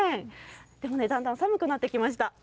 でもね、だんだん寒くなってきました。